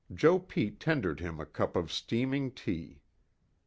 Joe Pete tendered him a cup of steaming tea.